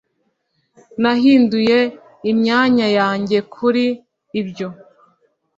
Nahinduye imyanya yanjye kuri ibyo